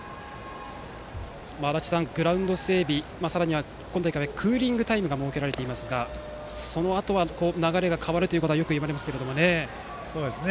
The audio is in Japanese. グラウンド整備、さらには今大会はクーリングタイムが設けられていますが、そのあとは流れが変わるということはよく言われますけどね。